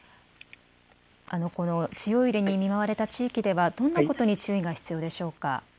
強い揺れに見舞われた地域ではどんなことに注意が必要ですか。